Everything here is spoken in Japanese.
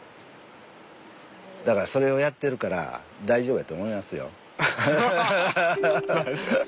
だからそれをやってるから大丈夫やと思いますよ。